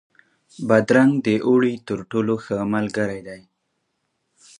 بادرنګ د اوړي تر ټولو ښه ملګری دی.